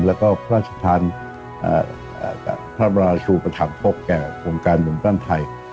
แล้วก็พระสุทธารณ์พระบราชูประถามพบแก่วงการเบมตั้นไทย